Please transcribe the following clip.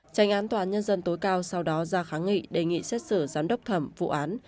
tranh án tòa án nhân dân tối cao sau đó ra kháng nghị đề nghị xét xử giám đốc thẩm vụ án